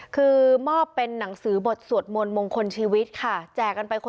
คือหมอบเป็นนังสือบทสวดมวลโมงคนชีวิตค่ะ